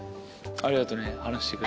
ありがとう。